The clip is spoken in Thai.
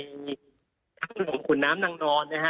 ทางหนุ่มขุนน้ำนั่งร้อน